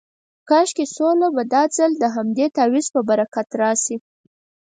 کاشکې سوله به دا ځل د همدغه تعویض په برکت راشي.